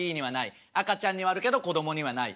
赤ちゃんにはあるけど子供にはない。